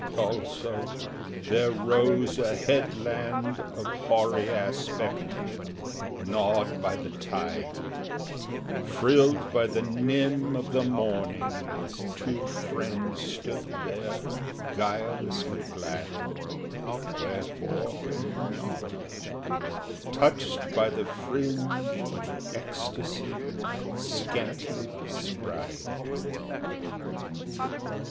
Also there rose a headland of hoary aspect Gnawed by the tide, Frilled by the nimb of the morning as two friends stood there Guilelessly glad— Wherefore they knew not—touched by the fringe of an ecstasy Scantly descried.